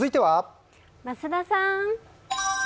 増田さん。